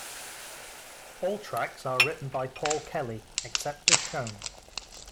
All tracks are written by Paul Kelly except as shown.